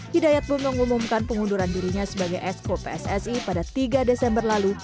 hidayat pun mengumumkan pengunduran dirinya sebagai esko pssi pada tiga desember lalu